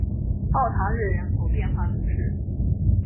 奥唐日人口变化图示